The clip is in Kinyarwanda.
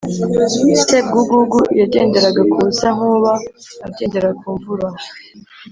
Sebwugugu yagenderaga ku busa Nkuba akagendera ku mvura